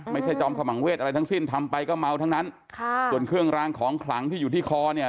จอมขมังเวทอะไรทั้งสิ้นทำไปก็เมาทั้งนั้นค่ะส่วนเครื่องรางของขลังที่อยู่ที่คอเนี่ย